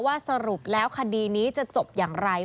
สรุปแล้วคดีนี้จะจบอย่างไร